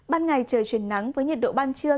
ban ngày trời chuyển nắng với nhiệt độ ban trưa